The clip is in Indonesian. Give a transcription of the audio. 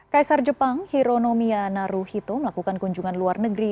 kaisar jepang hironomia naruhito melakukan kunjungan luar negeri